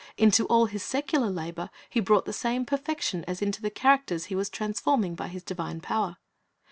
Into all His secular labor He brought the same perfection as into the characters He was transforming by His divine power.